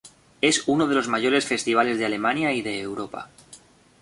Es uno de los mayores festivales de Alemania y de Europa.